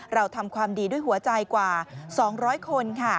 เราทำความดีด้วยหัวใจกว่า๒๐๐คนค่ะ